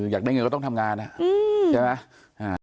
อยากได้เงินก็ต้องทำงานใช่ไหม